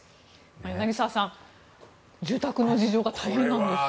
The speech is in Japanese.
柳澤さん、住宅の事情が大変なんですね。